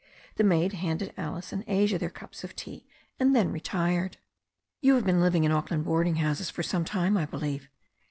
The maid handed Alice and Asia their cups of tea, and then retired. "You have been living in Auckland boarding houses for some time, I believe?"